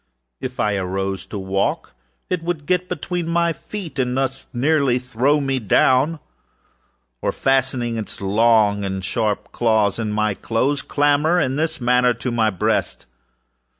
If I arose to walk it would get between my feet and thus nearly throw me down, or, fastening its long and sharp claws in my dress, clamber, in this manner, to my breast.